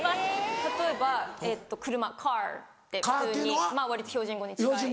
例えば車「カー」って普通にまぁ割と標準語に近い。